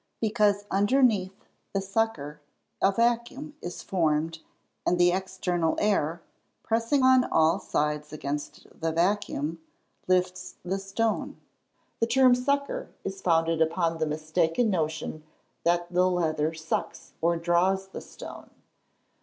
_ Because underneath the sucker a vacuum is formed and the external air, pressing on all sides against the vacuum, lifts the stone. The term "sucker" is founded upon the mistaken notion that the leather "sucks," or "draws" the stone.